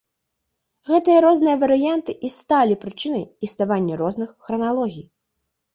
Гэтыя розныя варыянты і сталі прычынай існавання розных храналогіі.